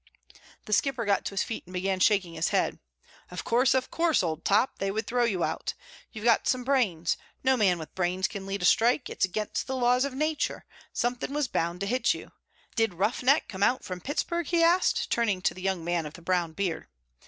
The Skipper got to his feet and began shaking his head. "Of course, of course, Old Top, they would throw you out. You've got some brains. No man with brains can lead a strike. It's against the laws of Nature. Something was bound to hit you. Did Roughneck come out from Pittsburgh?" he asked, turning to the young man of the brown beard.